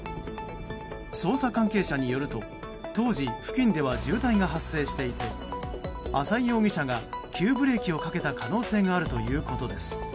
捜査関係者によると、当時付近では渋滞が発生していて浅井容疑者が急ブレーキをかけた可能性があるということです。